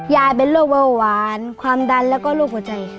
ยายเป็นโรคเบาหวานความดันแล้วก็โรคหัวใจ